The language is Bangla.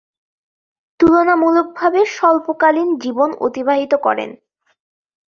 তুলনামূলকভাবে স্বল্পকালীন জীবন অতিবাহিত করেন।